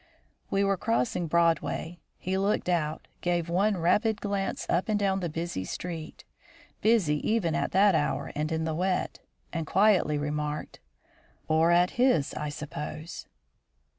We were crossing Broadway. He looked out, gave one rapid glance up and down the busy street, busy even at that hour and in the wet, and quietly remarked: "Or at his, I suppose?"